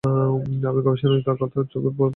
আমি গবেষণার কথা যখন ভুলে গেলাম, তখন এল লোকমান ফকির।